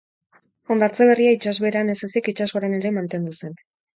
Hondartza berria itsasbeheran ez ezik itsasgoran ere mantendu zen.